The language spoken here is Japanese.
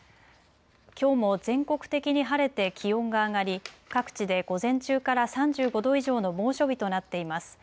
きょうも全国的に晴れて気温が上がり各地で午前中から３５度以上の猛暑日となっています。